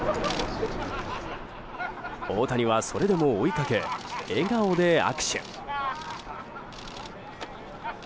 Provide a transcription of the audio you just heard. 大谷はそれでも追いかけ笑顔で握手。